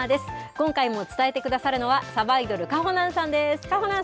今回も伝えてくださるのは、さばいどる、かほなんさんです。